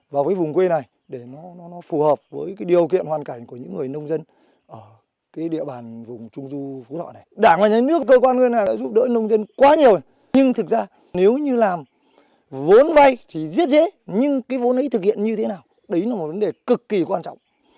vào cái vùng quê này để nó phù hợp với điều kiện hoàn cảnh của những người nông dân ở địa bàn vùng trung du phú thọ